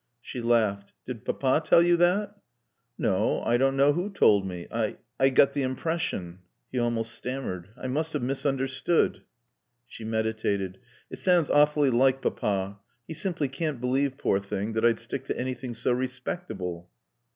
She laughed. "Did Papa tell you that?" "No. I don't know who told me. I I got the impression." He almost stammered. "I must have misunderstood." She meditated. "It sounds awfully like Papa. He simply can't believe, poor thing, that I'd stick to anything so respectable."